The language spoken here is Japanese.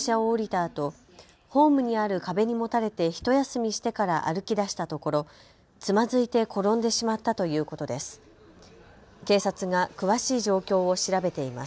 あとホームにある壁にもたれてひと休みしてから歩きだしたところつまずいて転んでしまったということです。